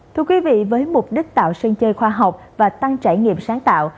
thưa quý vị với mục đích tạo sân chơi khoa học và tăng trải nghiệm sáng tạo